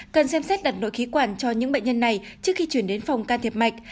cần xem xét đặt nội khí quản cho những bệnh nhân này trước khi chuyển đến phòng can thiệp mạch